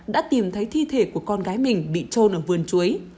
đã tìm thấy thi thể của con gái mình bị trôn ở vườn chuối